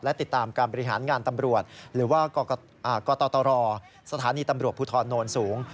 และติดตามการบริหารงานตำรวจหรือว่ากตรสถานีตำรวจภูทรโนนสูง